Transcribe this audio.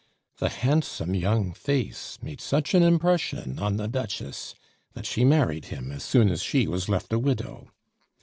The handsome young face made such an impression on the Duchess that she married him as soon as she was left a widow.